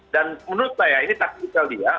dan menurut saya ini taktikal dia